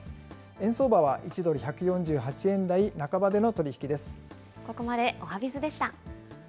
円相場は１ドル１４８円台半ばでの取り引きです。